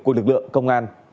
của lực lượng công an